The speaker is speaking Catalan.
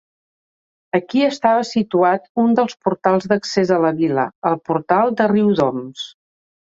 Aquí estava situat un dels portals d'accés a la vila, el portal de Riudoms.